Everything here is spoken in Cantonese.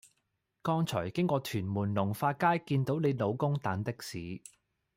剛才經過屯門龍發街見到你老公等的士